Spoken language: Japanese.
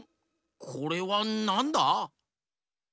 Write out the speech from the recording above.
これはなんだ？